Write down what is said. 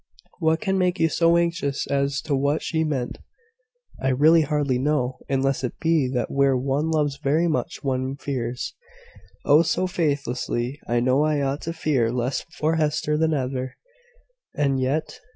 "What can make you so anxious as to what she meant?" "I really hardly know, unless it be that where one loves very much, one fears Oh, so faithlessly! I know I ought to fear less for Hester than ever; and yet